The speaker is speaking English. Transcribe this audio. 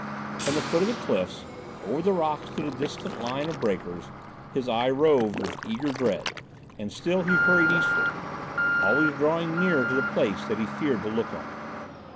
From the foot of the cliffs, over the rocks to the distant line of breakers, his eye roved with eager dread, and still he hurried eastward, always drawing nearer to the place that he feared to look on.